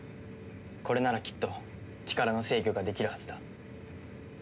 これならきっと力の制御ができるはずだ。